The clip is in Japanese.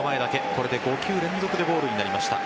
これで５球連続でボールになりました。